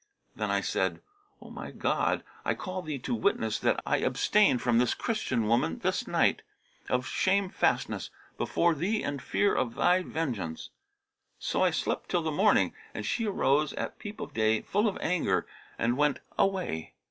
Then said I, 'O my God, I call Thee to witness that I abstain from this Christian woman this night, of shamefastness before Thee and fear of Thy vengeance!' So I slept till the morning, and she arose at peep of day full of anger and went away.